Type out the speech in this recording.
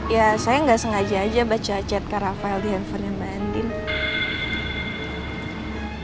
ya saya enggak sengaja aja baca chat karafael di handphone mbak andin